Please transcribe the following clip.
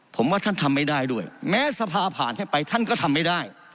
ผมว่าท่านทำไม่ได้ด้วยแม้สภาผ่านแทบไปท่านก็ทำไม่ได้